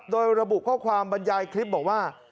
โดยระบุข้อความบรรยายคลิปบอกว่า